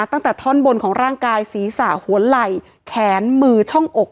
ตั้งแต่ท่อนบนของร่างกายศีรษะหัวไหล่แขนมือช่องอก